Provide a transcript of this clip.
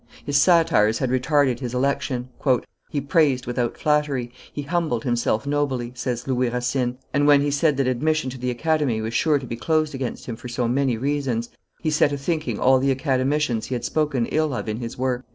His satires had retarded his election. "He praised without flattery; he humbled himself nobly" says Louis Racine; "and when he said that admission to the Academy was sure to be closed against him for so many reasons, he set a thinking all the Academicians he had spoken ill of in his works."